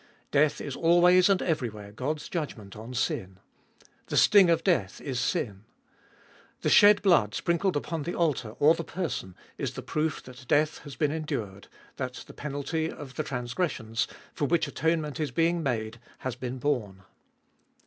Death is always and every where God's judgment on sin: The sting of death is sin. The shed blood sprinkled upon the altar, or the person, is the proof that death has been endured, that the penalty of the transgressions, for which atonement is being made, has been borne.